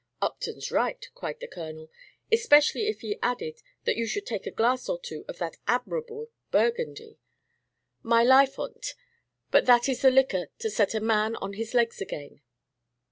"Upton's right," cried the Colonel, "especially if he added that you should take a glass or two of that admirable Burgundy. My life on 't but that is the liquor to set a man on his legs again."